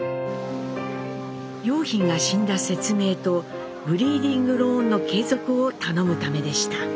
蓉浜が死んだ説明とブリーディングローンの継続を頼むためでした。